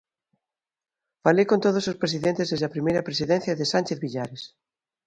Falei con todos os presidentes desde a primeira presidencia de Sánchez Villares.